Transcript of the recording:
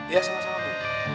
ya sama sama bu